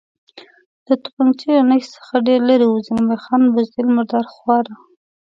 د تفنګچې له نښې څخه ډېر لرې و، زلمی خان: بزدل، مرادرخواره.